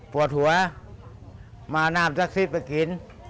ปวดหัวมานามศักดิ์สิทธิ์ไปกิน